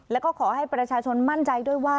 แล้วก็ขอให้ประชาชนมั่นใจด้วยว่า